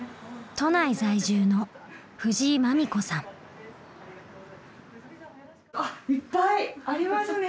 都内在住のあっいっぱいありますね。